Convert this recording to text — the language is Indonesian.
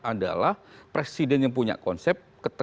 adalah presiden yang punya konsep